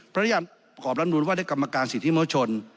พระรามยัดประกอบรัฐนูลว่าด้วยกรรมการสิทธิโมชน